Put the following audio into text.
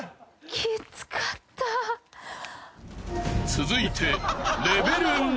［続いて］